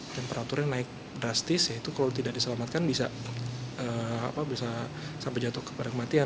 temperaturnya naik drastis ya itu kalau tidak diselamatkan bisa sampai jatuh ke perangmatian